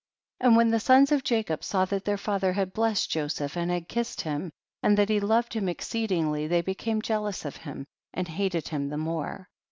13. And when the sons of Jacob saw that their father had blessed Joseph and had kissed him, and that he loved him exceedingly, they be came jealous of him and hated him the more.